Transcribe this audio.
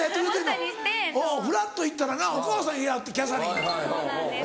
フラっと行ったらなお母さんいはってキャサリン。